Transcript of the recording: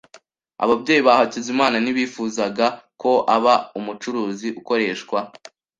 Ababyeyi ba Hakizimana ntibifuzaga ko aba umucuruzi ukoreshwa.